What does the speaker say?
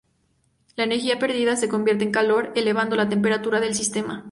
La energía perdida se convierte en calor, elevando la temperatura del sistema.